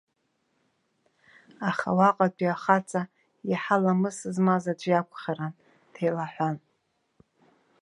Аха уаҟатәи ахаҵа, иаҳа ламыс змаз аӡәы иакәхарын, деилаҳәан.